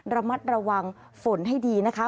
ระมัดระวังฝนให้ดีนะคะ